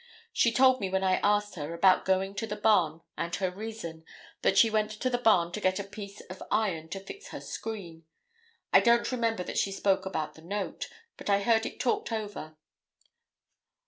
She told me when I asked her, about going to the barn and her reason, that she went to the barn to get a piece of iron to fix her screen; I don't remember that she spoke about the note, but I heard it talked over.